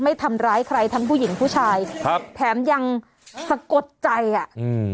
ไม่ทำร้ายใครทั้งผู้หญิงผู้ชายแถมยังสะกดใจอะ